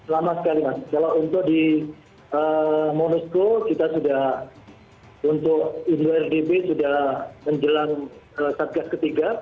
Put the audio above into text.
lama sekali mas kalau untuk di monusco kita sudah untuk indo rdb sudah menjelang satgas ketiga